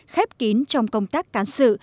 khép kín trong công tác cán sự